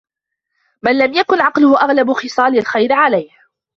مَنْ لَمْ يَكُنْ عَقْلُهُ أَغْلَبَ خِصَالِ الْخَيْرِ عَلَيْهِ